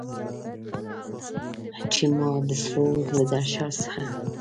چې ما د سړو له درشل څخه